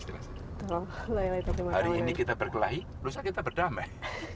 hari ini kita berkelahi tidak usah kita berdamai